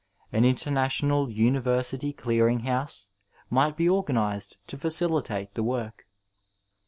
An international university clearing house might be organic to faciUtate the work.